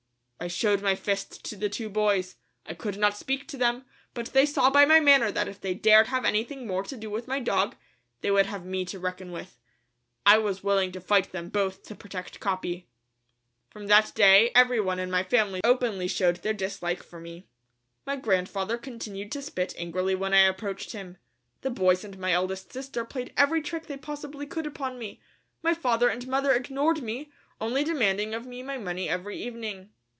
I showed my fist to the two boys. I could not speak to them, but they saw by my manner that if they dared have anything more to do with my dog, they would have me to reckon with. I was willing to fight them both to protect Capi. From that day every one in my family openly showed their dislike for me. My grandfather continued to spit angrily when I approached him. The boys and my eldest sister played every trick they possibly could upon me. My father and mother ignored me, only demanding of me my money every evening.